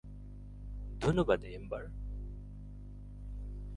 ধন্যবাদ, এম্বার।